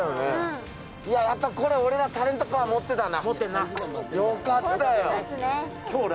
これ、俺らタレントパワー持ってたな。